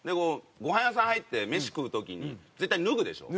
ごはん屋さん入って飯食う時に絶対脱ぐでしょ。